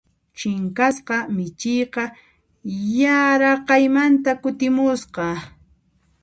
Chinkasqa michiyqa yaraqaymanta kutimusqa.